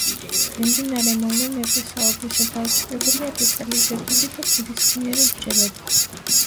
მიმდინარე მოვლენებზე საუბრისას აუცილებლია დეტალიზებული და გულისხმიერი მსჯელობა.